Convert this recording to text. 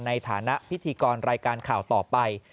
ในฐานะพิธีกรรายการข่าวต่อไป